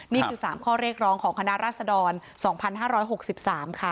นี่คือ๓ข้อเรียกร้องของคณะราษดร๒๕๖๓ค่ะ